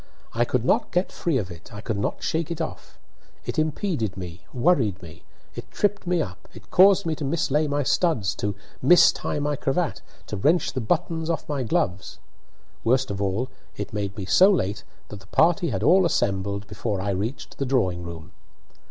I could not get free of it; I could not shake it off. It impeded me, worried me, it tripped me up, it caused me to mislay my studs, to mistie my cravat, to wrench the buttons off my gloves. Worst of all, it made me so late that the party had all assembled before I reached the drawing room.